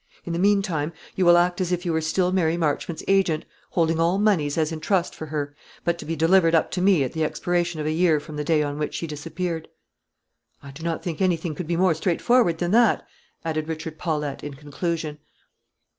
In the mean time, you will act as if you were still Mary Marchmont's agent, holding all moneys as in trust for her, but to be delivered up to me at the expiration of a year from the day on which she disappeared.' I do not think anything could be more straightforward than that," added Richard Paulette, in conclusion.